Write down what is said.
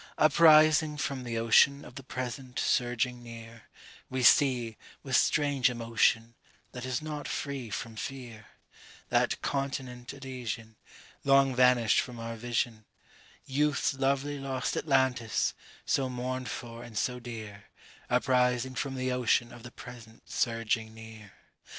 Uprising from the ocean of the present surging near, We see, with strange emotion, that is not free from fear, That continent Elysian Long vanished from our vision, Youth's lovely lost Atlantis, so mourned for and so dear, Uprising from the ocean of the present surging near.